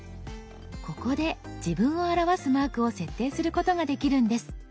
ここで自分を表すマークを設定することができるんです。